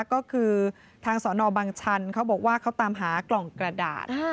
ก็คือทางสอนอบังชันเขาบอกว่าเขาตามหากล่องกระดาษ